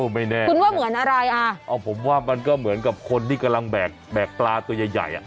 ไม่แน่คุณว่าเหมือนอะไรอ่ะอ๋อผมว่ามันก็เหมือนกับคนที่กำลังแบกปลาตัวใหญ่ใหญ่อ่ะ